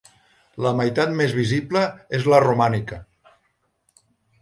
La meitat més visible és la romànica.